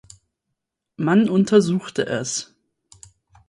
Man untersuchte es.